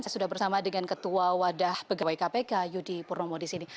saya sudah bersama dengan ketua wadah pegawai kpk yudi purnomo di sini